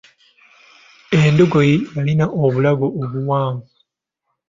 Endogoyi yalina obulago obuwanvu.